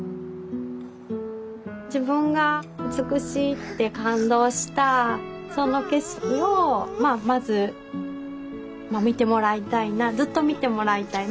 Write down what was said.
自分が美しいって感動したその景色をまあまず見てもらいたいなずっと見てもらいたい。